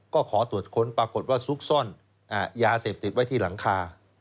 ก็ขอตรวจค้นปรากฏว่าซุกซ่อนยาเสพติดไว้ที่หลังคา